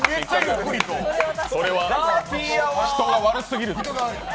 それは人が悪すぎるで。